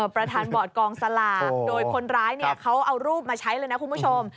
ประธานบอร์ดกองสลากโดยคนร้ายเขาเอารูปมาใช้เลยนะคุณผู้ชม